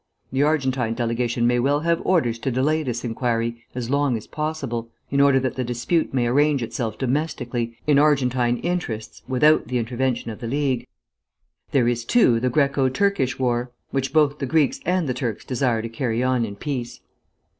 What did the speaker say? The Argentine delegation may well have orders to delay this inquiry as long as possible, in order that the dispute may arrange itself domestically, in Argentine interests, without the intervention of the League. There is, too, the Graeco Turkish war, which both the Greeks and the Turks desire to carry on in peace.